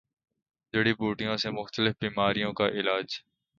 جڑی بوٹیوں سےمختلف بیماریوں کا علاج